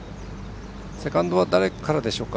セカンドは誰からでしょうか。